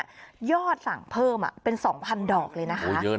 ยอดสั่งเพิ่มเป็น๒๐๐ดอกเลยนะคะ